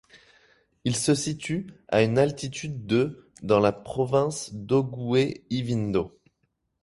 Il se situe à une altitude de dans la province d'Ogooué-Ivindo.